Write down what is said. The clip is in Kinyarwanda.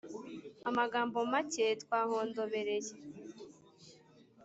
Amagambo make twahondobereye,